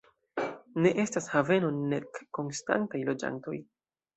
Ne estas haveno, nek konstantaj loĝantoj.